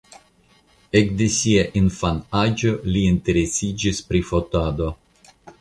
Ekde sia infanaĝo li interesiĝis pri fotado.